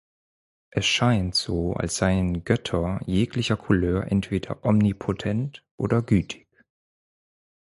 Es scheint so als seien Götter jeglicher Couleur entweder omnipotent oder gütig.